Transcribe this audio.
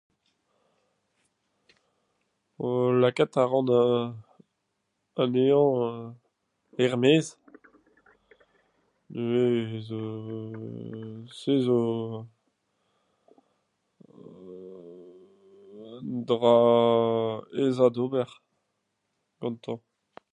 euu lakaat a ran anezhañ er-maez [euuu] se zo euu un dra aes da ober gantañ.